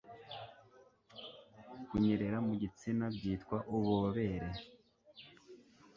kunyerera mugitsina byitwa Ububobere.